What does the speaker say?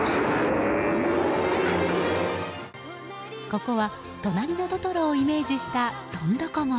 ここは、「となりのトトロ」をイメージした、どんどこ森。